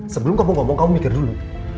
sebelum kamu ngomong kamu mikir dulu